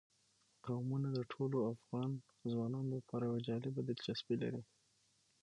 قومونه د ټولو افغان ځوانانو لپاره یوه جالبه دلچسپي لري.